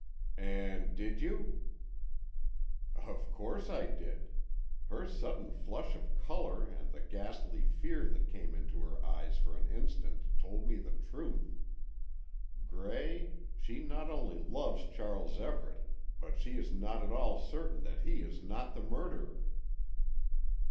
"And did you?" "Of course I did. Her sudden flush of colour and the ghastly fear that came into her eyes for an instant told me the truth. Gray, she not only loves Charles Everett, but she is not at all certain that he is not the murderer."